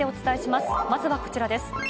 まずはこちらです。